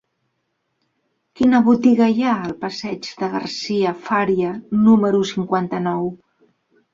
Quina botiga hi ha al passeig de Garcia Fària número cinquanta-nou?